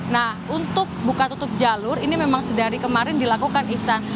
nah untuk buka tutup jalur ini memang sedari kemarin dilakukan ihsan